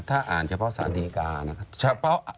ถ้าอ่านเฉพาะศาลดีการ์นะ